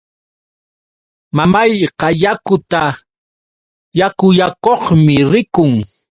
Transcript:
Mamayqa yakuta yakullakuqmi rikun.